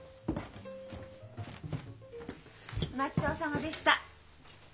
お待ち遠さまでした。